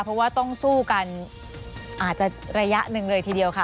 เพราะว่าต้องสู้กันอาจจะระยะหนึ่งเลยทีเดียวค่ะ